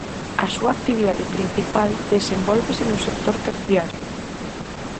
A súa actividade principal desenvólvese no sector terciario.